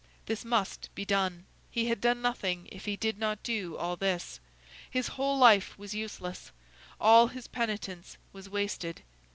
This must be done! He had done nothing if he did not do all this; his whole life was useless; all his penitence was wasted.